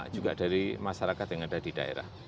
juga dari masyarakat yang ada di daerah